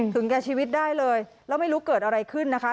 แก่ชีวิตได้เลยแล้วไม่รู้เกิดอะไรขึ้นนะคะ